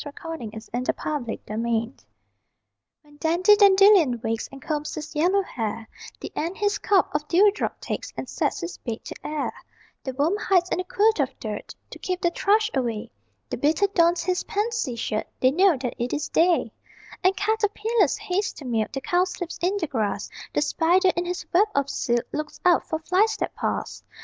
_ [Illustration: The Plumpuppets] DANDY DANDELION When Dandy Dandelion wakes And combs his yellow hair, The ant his cup of dewdrop takes And sets his bed to air; The worm hides in a quilt of dirt To keep the thrush away, The beetle dons his pansy shirt They know that it is day! And caterpillars haste to milk The cowslips in the grass; The spider, in his web of silk, Looks out for flies that pass.